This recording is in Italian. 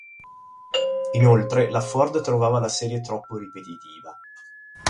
Inoltre, la Ford trovava la serie troppo ripetitiva.